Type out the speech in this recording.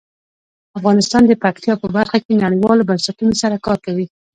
افغانستان د پکتیا په برخه کې نړیوالو بنسټونو سره کار کوي.